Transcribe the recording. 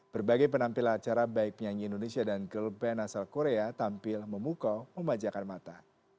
berbagai penampilan acara baik penyanyi indonesia dan girl band asal korea tampil memukau memajakan mata